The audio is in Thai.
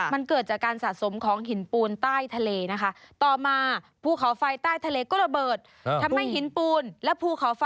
อ๋อเป็นอายุเก่าแก่โบราณนู่นเลยค่ะ